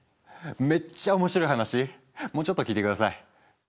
めっちゃ面白い話もうちょっと聞いて下さい。